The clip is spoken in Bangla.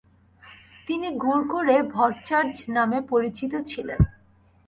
তিনি গুড়গুড়ে ভট্চাজ নামে পরিচিত ছিলেন ।